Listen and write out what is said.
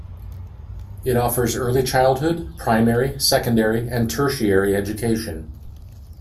It offers early childhood, primary, secondary and tertiary education.